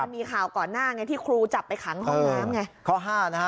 มีข่าวก่อนหน้าที่ครูจับไปขังห้องน้ำไง